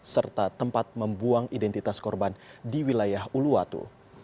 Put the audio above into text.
serta tempat membuang identitas korban di wilayah uluwatu